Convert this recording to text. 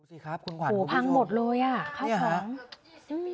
ดูสิครับคุณขวานคุณผู้ชมโอ้โหพังหมดเลยอ่ะเข้าพร้อม